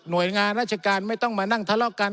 โดยงานราชการไม่ต้องมานั่งทะเลาะกัน